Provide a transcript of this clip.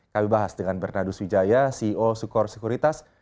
kami bahas dengan bernadus wijaya ceo sukor sekuritas